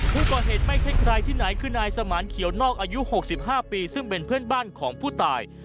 ผู้ก่อเหตุไม่ใช่ใครที่ไหนคือนายสมานเขียวนอกอายุ๖๕ปีซึ่งเป็นเพื่อนบ้านของผู้ตาย